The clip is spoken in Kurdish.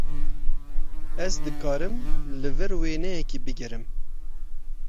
Ez dikarim li vir wêneyekî bigirim?